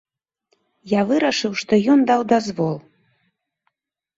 Я вырашыў, што ён даў дазвол.